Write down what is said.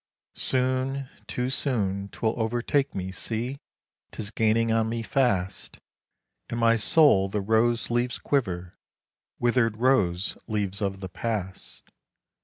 Soon, too soon, 'twill overtake me, see! 'tis gaining on me fast In my soul the rose leaves quiver withered rose leaves of the past.